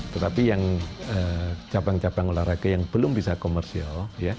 tetapi yang cabang cabang olahraga yang belum bisa komersial